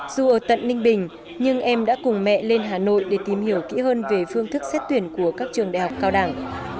dù ở tận ninh bình nhưng em đã cùng mẹ lên hà nội để tìm hiểu kỹ hơn về phương thức xét tuyển của các trường đại học cao đẳng